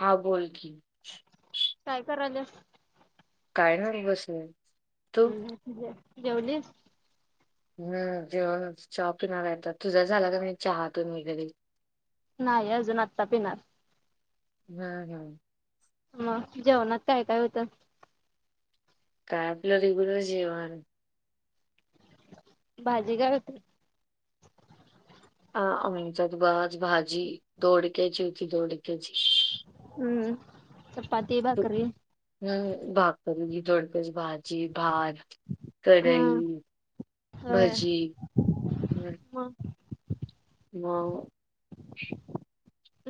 हा बोलकी काय करायला काय नाही बस हम् जेवलीस हम जेव्हा शॉपूनतात तुझा झाला का नाही चहातून वगैर नाही अजून आत्ता पिणार हम्म हम्म मग जेवणात काय काय होतं कॅब ल रेग्युलर जवान भाजी घाते अ आच्याात बज भाजी ोडक्याची होती दोडक्याची हम्म चपात बाकरी ह भाकरीी थोडकस भाजी भार हा कढई होय. भजी हम् मग म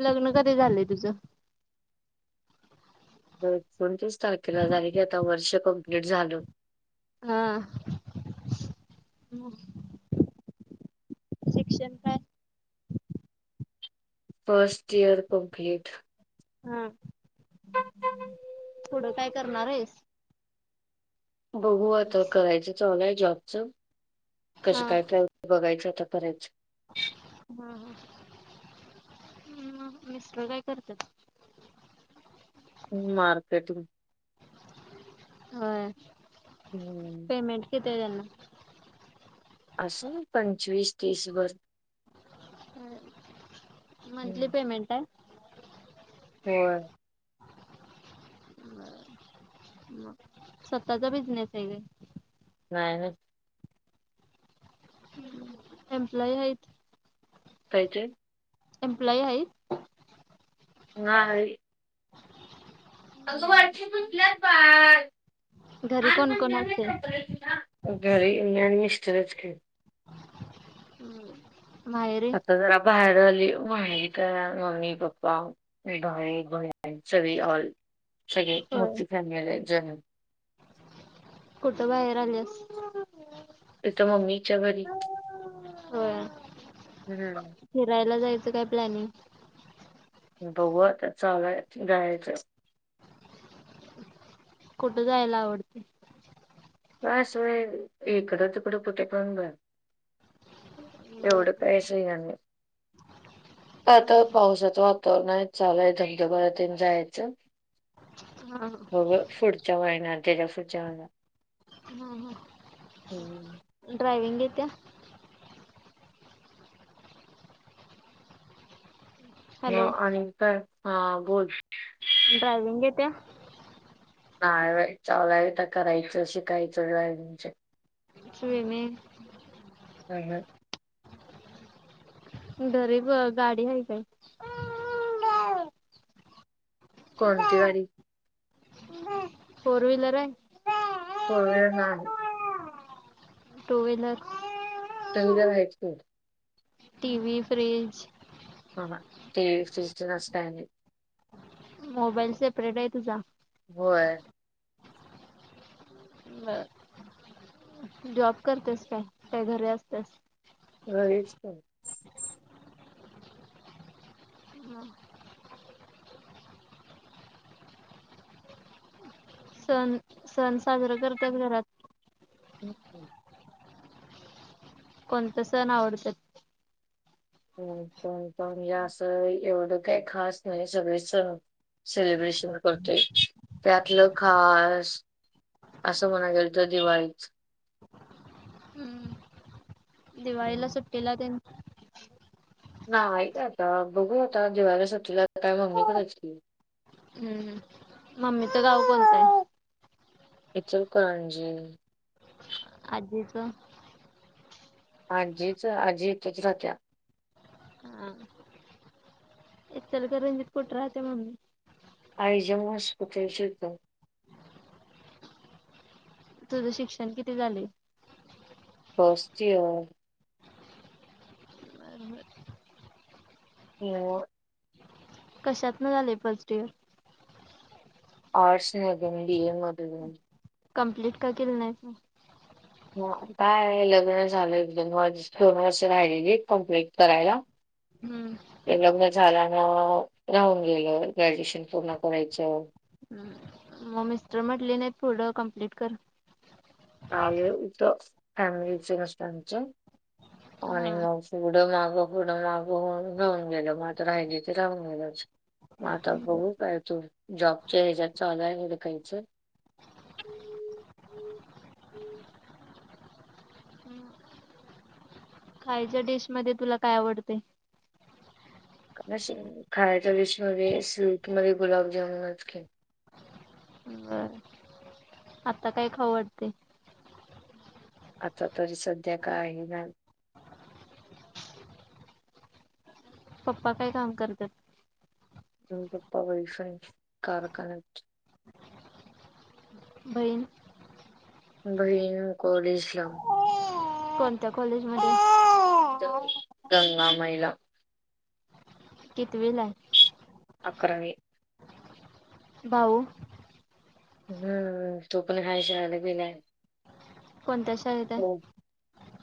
लग्न कधी झालंय तुझं एकोणतीस तारखेला झाले की आता वर्ष कंप्लीट झाल हा शिक्षण काय फर्स्ट इयर कंप्लीट हम थोडं काय करणार आहेस बघू आता करायचं च आलंय जॉबच हा कसं काय कय? त बघायचं तर खेच हा ह ह् मिस्र काय करतात [unintelligible] मार्केटिंग हा हम्म पेमें किती त्यांना असं पंचवीस तीसभर हम्म. मंथली पेमेंट आहे होम र मग स्वतःचा बिझनेस आहे का नाही एम्प्लॉय आहेत कायजे एम्प्लॉय आहे ह अगं वाटल्या घरी कोण लहानपण कोण झा असतय? पर तिला घरीणी इस्रच के हम्म आता जरा बाहेर आली माग तर मम्मी पप्पा बा भ सगळी ऑल सगळे होय मूर्ती फॅमिला जनम कुठं बाहेर आल्यास त तर मम्मीच्या भरी हो हम्म फिरायला जायचं काय प्लॅनिंग बह चालय जायचं कुठं जायला आवडते का सय इकडं तुिकडं कुठे करून घ एवढ कायसे आता पावसाचं वातावरण आहे चालूय धबधबा्यातन जायचं हा हो फड जय ना अ त्या्याच्या फूट जवण हम् हम ह् ड्रायविंग येत्या हो हॅलो आणि का हा बोलोल ड्रयविंग ऐेत ना चचालावीता करायचं शिकायचंजचे चने ह ह. घरी ब गाडी आहे काय? कोणती गाडी? फोर व्हिलर अय? फोर व्हिलर नाही. टू वहीलर चांगलंला व्हायचं्हं टी वी फ्रिज ह ह टी व फिज नस मोबाईल सेपरेट आहे तुझा होय. म जॉब करतेस काय काय घरी असतेस? घरीच [inaudible] सण सण साजरा करतात घरात. [unintelligible] कोणत सण आवडतात? ह पण प हे असं एवढं काही खास नाही सगळे सण सेलिब्रेशन करतोय त्यातलं खास असं म्हणाय गेल तर दिवाळीच. हम्म दिवाळीला हम्म. सुट्टीला तेन. नाही का आता बघू आता दिवाला सुट्टीला काय मम्मी कडच की. हम्म मम्मीच गाव कोणतंय? इचलकरंजी. आजीच आजीच आजी इथच राहत्या. आ. इचलकरंजीत कुठ राहतीया मम्मी? आई ज म हॉस्पिटल शेजारी. तुझं शिक्षण किती झालय. फस्ट इयर बरबर [unintelligible] कशात न झालय फर्स्ट इयर? आर्टस मधून बी ए मधून. कंप्लीट का केलं नाहीस मग? ह काय आहे लग्न झालं एक दोन वर्ष राहिलेली कम्प्लीट करायला. हम्म हे लग्न झाल्यान राहून गेलं ग्रॅज्युएशन पूर्ण करायचं. हम्म मग मिस्टर म्हटले नाही पुढं कंप्लीट कर? काले इथ फॅमलीच मस्त आहे आमच आणि हा मग पुढं मागं पुढं मागं होऊन राहून गेल म आता राहिल ते राहून गेलच. म आता बघू काय तू जॉबच्या ह्याच्यात चालू हुडकायच. खायच्या डिश मध्ये तुला काय आवडतय? खायच्या डिश मध्ये स्वीट मध्ये गुलाबजामनच की. बर. आता काय खाऊ वाटतंय? आता तरी सध्या काही नाही. पप्पा काय काम करतात. हप वै फ का कनक्ट. बहीण बहीण कलेजलाम कोणत्या कॉलेज मध्ये? गंगा मैला. कितविलाय? अकरावी बाऊ. हम् तो पण आहे शाळेला गेलाय. कोणत्या शाळेत आहे.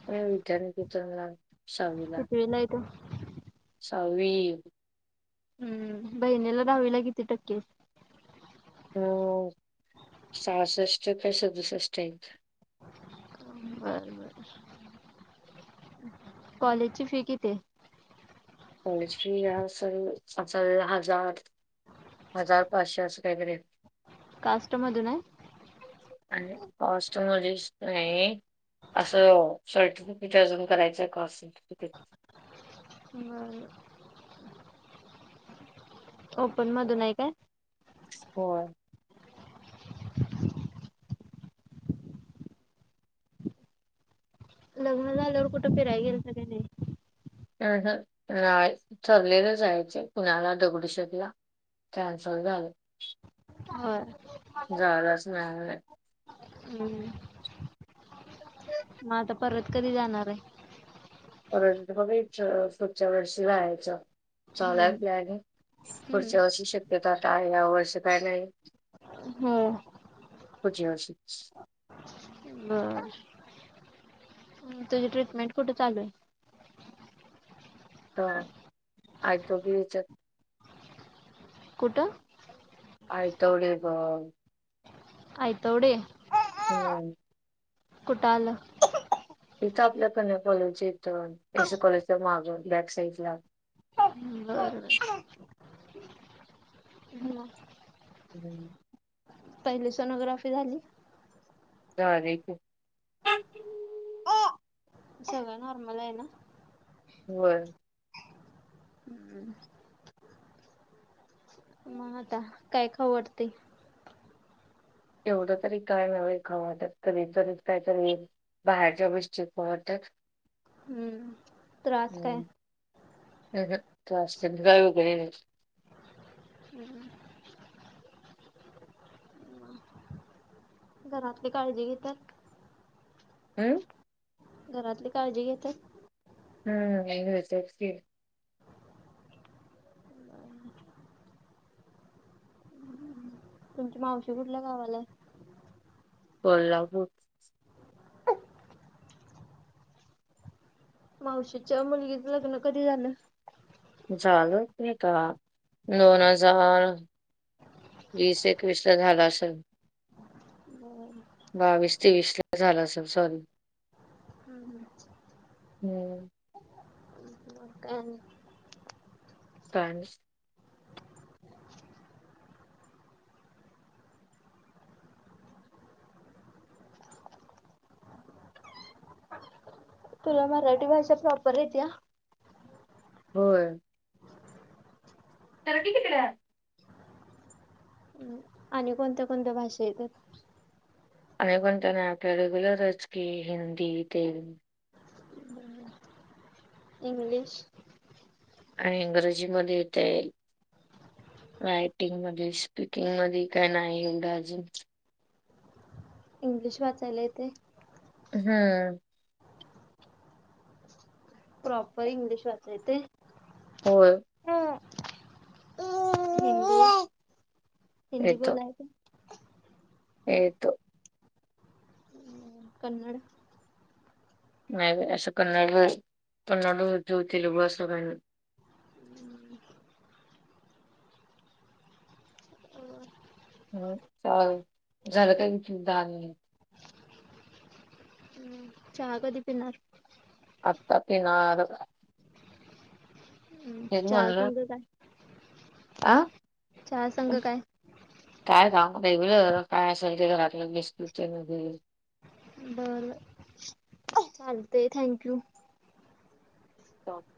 विद्याान केतन लाग. कितवीला येतो. सवीवि. हम्म बहिणीला दहावी ला किती टक्के. हो सहासष्ट काय सदुसष्टक. बर बर [unintelligible] कॉलेजची फी किती. कॉलेज्री हल हजार. हजार पाचशे असं काहीगैरे. कास्टमध नाही. आणि पास्मजसय. असं सर्टिफिकेट अजून करायचं आहे का सर्टिेट. [unintelligible] ओपन मधून आहे काय. होय. एल कुठं फिरयगरत नाही. ठरलेलं जायचे कुणाला दगडू शकला. चानसल अ. होय. जाच नाही. हम्म [unintelligible] मग आता पर्वत कधी जाणार आहे. बघ पुुढच्या वर्षी ला यायचं हम्म चालायतने. पुढच्या हम्म अशी शक्यता आता या वर्ष काय नाही. हम्म. पुढच्या वर्षी. हम्. तुझी ट्रीटमें कुठं ल. तर आजलोघ विच. कुठं. आय तोडी ब. आय तोडी. [inaudible] कुठ आलं. तिथं आपल्या कन कॉलेज यथं एस कॉलेजचा माग बॅक साइड ला. बर बर [unintelligible] हम [unintelligible] हम् पहिली सोनोग्राफी झाली सलेख सगळं नॉर्मल आहे ना होर हम्म [unintelligible] मग आता काय खाऊ वाटते? एवढं तरी काय नव्हे खावा त्यात कधी चरीच काय तरील. बाहेरच्या गोष्टी पण हम्म त्रास काय हम् कायग हम् घरातली काळजी घेत तर हम घरातली काळजी घेतात हम् विच तुमची मावशी कुठल्या गावाला आहे कोल्हापूर मावशीच्या मुलगीच लग्न कधी झालं चालू आहे का दोन हजार वीस एकवीस ला झाला असल ब बावीस तेवीस ला झालं असल सॉरी हम् ह हम् का फॅन्स तुला मराठी भाषा प्रॉपर आहेेत या हो तरटी कितीडे्या हम् आणि कोणत्या कोणत्या भाषा येतात अनेक कोणतना आपल्या रेग्युलरच की हिंदी तेलग इंग्लिश आणि इंग्रजी मध्ये येता येईल रायटिंग मध्ये स्पीकिंग मध्ये काय नाही एवढं अजून इंग्लिश वाचायला येते हम्म प्रॉपर इंग्लिश वाचाय ते होय हिंदी येतो बोलायच येतो. कन्नड नाही असं कन्नड कन्नड तेलगू अस काय नाही. ह चाल झालं काय दहा मिनिट. चहा कधी पिनार? आता पिणार. तेच चा म्हणलं संंग काय? आ चहा संघ काय? काय काम रेगुलर काय असेल ते घरातलं बिस्किट बरं चालत थँक यू [unintelligible]